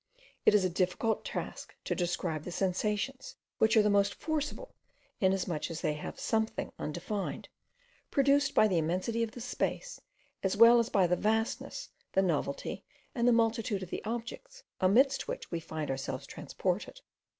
It is a difficult task to describe the sensations, which are the more forcible, inasmuch as they have something undefined, produced by the immensity of the space as well as by the vastness, the novelty, and the multitude of the objects, amidst which we find ourselves transported.